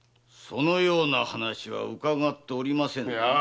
そのような話は伺っておりませぬが？